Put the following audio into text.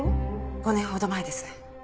５年ほど前です。